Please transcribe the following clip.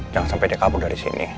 jangan sampai dia kabur dari sini